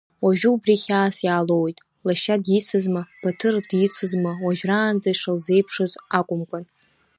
Уажәы убри хьаас иаалоуит, лашьа дицызма, Баҭыр дицызма уажәраанӡа ишылзеиԥшыз акәымкәан.